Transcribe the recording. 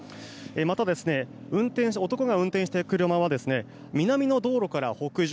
また、男が運転していた車は南の道路から北上。